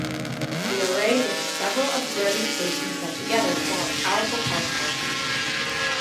The array links several observing stations that together form a powerful telescope.